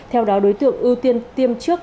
theo đó đối tượng ưu tiên tiêm trước